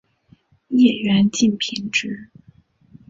叶缘近平直。